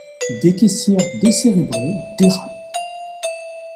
Des caissières décérébrées dérapent!